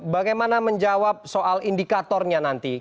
bagaimana menjawab soal indikatornya nanti